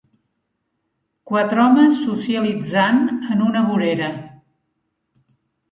Quatre homes socialitzant en una vorera.